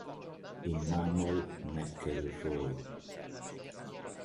Immanuel McElroy